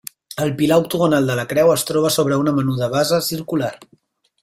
El pilar octogonal de la creu es troba sobre una menuda basa circular.